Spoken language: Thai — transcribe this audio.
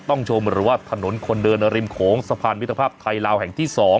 ต้องชมว่าถนนคนเดินอริมของสะพานวิทยาภาพไทยลาวแห่งที่๒